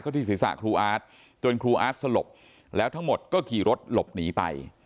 ที่ศีรษะครูอาร์ตจนครูอาร์ตสลบแล้วทั้งหมดก็ขี่รถหลบหนีไป